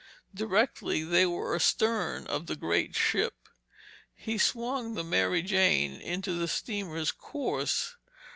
Directly they were astern of the great ship, he swung the Mary Jane into the steamer's course.